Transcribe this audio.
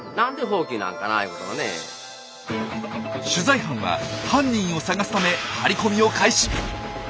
取材班は犯人を捜すため張り込みを開始！